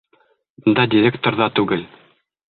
Бында директор ҙа түгел!